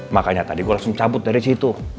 makanya tadi gue langsung cabut dari situ